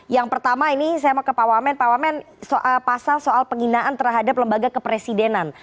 yang pertama ini saya mau ke pak wamen pak wamen pasal soal penghinaan terhadap lembaga kepresidenan